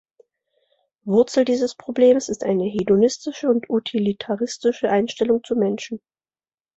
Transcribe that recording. Wurzel dieses Problems ist eine hedonistische und utilitaristische Einstellung zu Menschen.